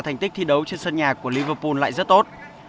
thành tích thi đấu trên sân nhà của liverpool lại rất tốt